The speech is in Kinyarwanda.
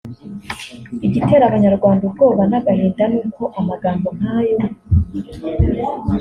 Igitera abanyarwanda ubwoba n’agahinda nuko amagambo nkayo